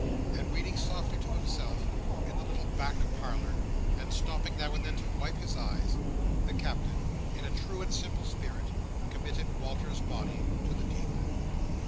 And reading softly to himself, in the little back parlour, and stopping now and then to wipe his eyes, the Captain, in a true and simple spirit, committed Walter's body to the deep.